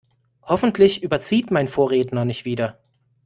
Hoffentlich überzieht mein Vorredner nicht wieder.